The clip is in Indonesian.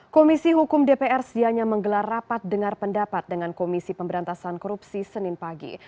komisi hukum dpr sedianya menggelar rapat dengar pendapat dengan komisi pemberantasan korupsi senin pagi